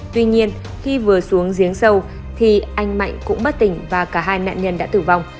tuy nhiên khi vừa xuống giếng sâu thì anh mạnh cũng bất tỉnh và cả hai nạn nhân đã tử vong